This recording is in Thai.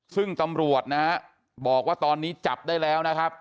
ซึ่งตำรวจนะฮะบอกว่าตอนนี้จับได้แล้วนะครับ